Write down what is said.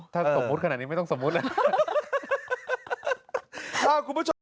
ถ้าสมมุติขนาดนี้ไม่ต้องสมมุตินะ